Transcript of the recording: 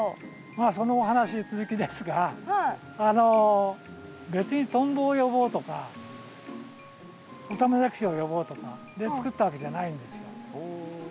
まあそのお話続きですがあの別にトンボを呼ぼうとかオタマジャクシを呼ぼうとかで作ったわけじゃないんですよ。